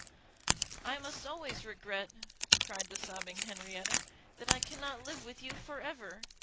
"I must always regret," cried the sobbing Henrietta, "that I cannot live with you for ever!